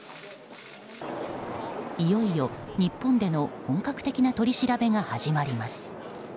いよいよ日本での本格的な取り調べが始まります。